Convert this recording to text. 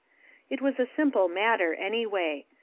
It was a simple matter, anyway.